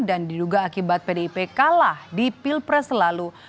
dan diduga akibat pdip kalah di pilpres lalu